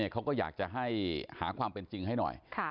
เขาก็อยากจะให้หาความเป็นจริงให้หน่อย